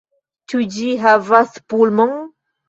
Ĉu ĝi havas pulmon?